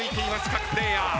各プレーヤー。